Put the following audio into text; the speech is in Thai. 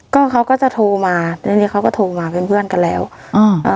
ก็เขาก็จะโทรมาแล้วนี่เขาก็โทรมาเป็นเพื่อนกันแล้วอ่า